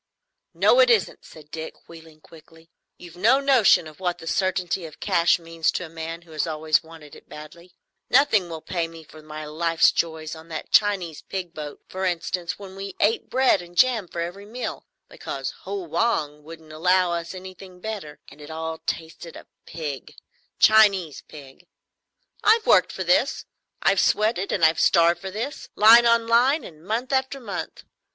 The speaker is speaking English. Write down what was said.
"No, it isn't," said Dick, wheeling quickly. "You've no notion what the certainty of cash means to a man who has always wanted it badly. Nothing will pay me for some of my life's joys; on that Chinese pig boat, for instance, when we ate bread and jam for every meal, because Ho Wang wouldn't allow us anything better, and it all tasted of pig,—Chinese pig. I've worked for this, I've sweated and I've starved for this, line on line and month after month.